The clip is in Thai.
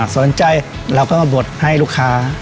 สนใจเราก็มาบดให้ลูกค้า